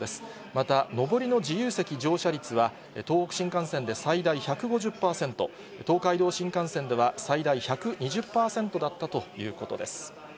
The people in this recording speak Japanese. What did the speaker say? また、上りの自由席乗車率は、東北新幹線で最大１５０％、東海道新幹線では最大１２０％だったということです。